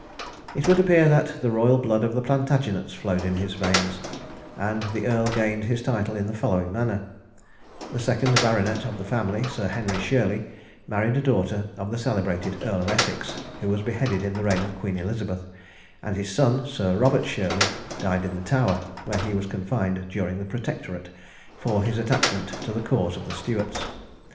It would appear that the royal blood of the Plantagenets flowed in his veins, and the earl gained his title in the following manner: The second baronet of the family, Sir Henry Shirley, married a daughter of the celebrated Earl of Essex, who was beheaded in the reign of Queen Elizabeth; and his son, Sir Robert Shirley, died in the Tower, where he was confined during the Protectorate, for his attachment to the cause of the Stuarts.